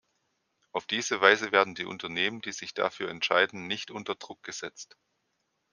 Auf diese Weise werden die Unternehmen, die sich dafür entscheiden, nicht unter Druck gesetzt.